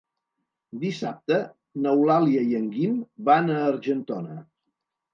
Dissabte n'Eulàlia i en Guim van a Argentona.